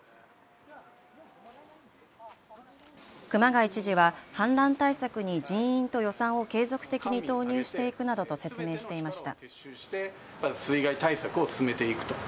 熊谷知事は氾濫対策に人員と予算を継続的に投入していくなどと説明していました。